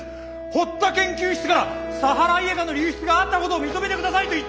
堀田研究室からサハライエカの流出があったことを認めてくださいと言っているのです！